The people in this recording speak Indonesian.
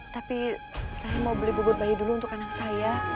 tapi saya mau beli bubur bayi dulu untuk anak saya